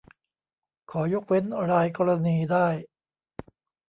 ขอยกเว้นรายกรณีได้